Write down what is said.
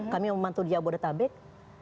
kami memantau di jabodetabek